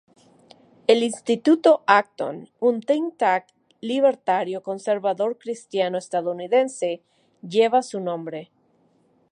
El Instituto Acton, un think tank libertario conservador cristiano estadounidense, lleva su nombre.